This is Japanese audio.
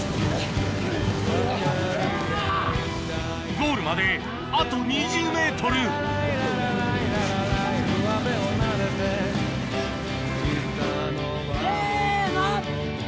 ゴールまであと２０ｍせの！